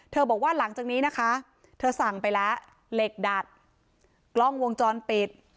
บอกว่าหลังจากนี้นะคะเธอสั่งไปแล้วเหล็กดัดกล้องวงจรปิด